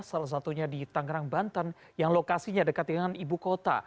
salah satunya di tangerang banten yang lokasinya dekat dengan ibu kota